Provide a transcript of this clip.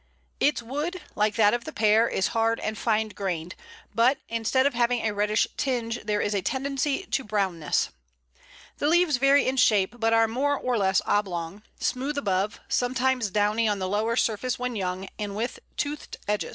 Its wood, like that of the Pear, is hard and fine grained, but, instead of having a reddish tinge, there is a tendency to brownness. The leaves vary in shape, but are more or less oblong, smooth above, sometimes downy on the lower surface when young, and with toothed edges.